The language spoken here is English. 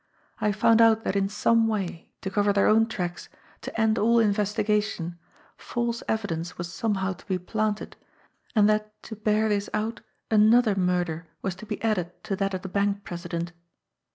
I found out that in some way, to cover their own tracks, to end all investigation, false evidence was somehow to be planted, and that to bear this out another murder was to be added to that of the bank president.